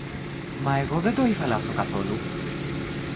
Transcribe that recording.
Μα εγώ δεν το ήθελα αυτό καθόλου!